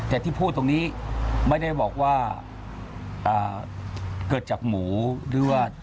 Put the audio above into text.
แต่ที่พูดตรงนี้ไม่ได้บอกว่าเกิดจากหมูหรือว่า